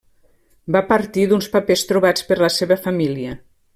Va partir d'uns papers trobats per la seva família.